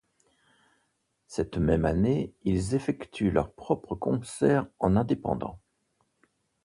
Cette même année, ils effectuent leurs propres concerts en indépendant.